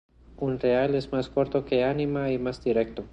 Unreal es más corto que Anima y más directo.